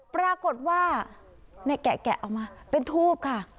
ปรากฏว่าแกะออกมาเป็นทูบค่ะ